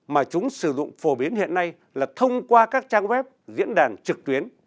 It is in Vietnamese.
mà chúng sử dụng phổ biến hiện nay là thông qua các trang web diễn đàn trực tuyến